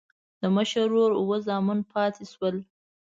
د مشر ورور اووه زامن پاتې شول.